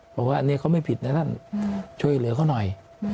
บอกว่าอันนี้เขาไม่ผิดนะท่านช่วยเหลือเขาหน่อย